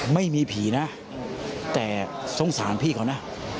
ไม่มีผีนะแต่สงสารพี่เขานะ